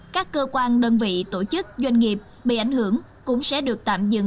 các cơ quan đơn vị tổ chức doanh nghiệp bị ảnh hưởng cũng sẽ được tạm dừng